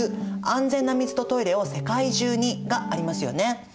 ６「安全な水とトイレを世界中に」がありますよね。